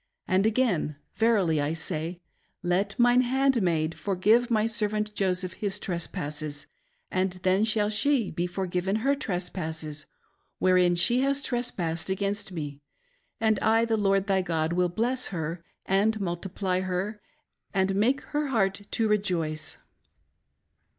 And again, verily I say, let mine handmaid forgive my servant Joseph his trespasses, and then shall she be forgiven he): trespasses, wherein she has trespassed against me ; and I, the Lord thy God, will bless her, and multiply her, and make her heart to rejoice.